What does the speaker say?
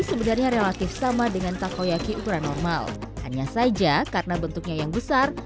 sebenarnya relatif sama dengan takoyaki ukuran normal hanya saja karena bentuknya yang besar